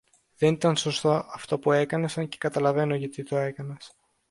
Δεν ήταν σωστό αυτό που έκανες, αν και καταλαβαίνω γιατί το έκανες.